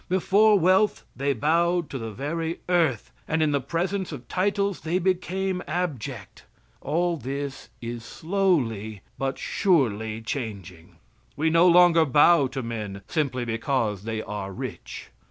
Before wealth they bowed to the very earth, and in the presence of titles they became abject. All this is slowly, but surely changing. We no longer bow to men simply because they are rich.